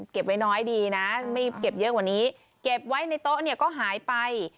เก็บไว้น้อยดีนะไม่เก็บเยอะกว่านี้เก็บไว้ในโต๊ะเนี่ยก็หายไป